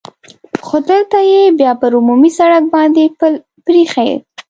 خو دلته یې بیا پر عمومي سړک باندې پل پرې اېښی.